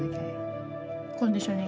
コンディショニング。